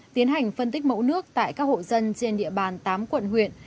tiến hành phân tích mẫu nước tại các hộ dân trên địa bàn tám quận huyện